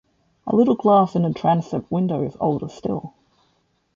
A little glass in a transept window is older still.